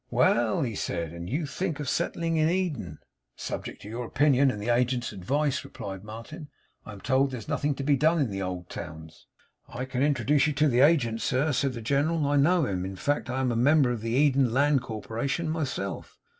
'Well!' he said, 'and you think of settling in Eden?' 'Subject to your opinion, and the agent's advice,' replied Martin. 'I am told there is nothing to be done in the old towns.' 'I can introduce you to the agent, sir,' said the General. 'I know him. In fact, I am a member of the Eden Land Corporation myself.